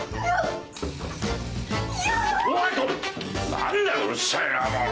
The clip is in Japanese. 何だうるさいなもう！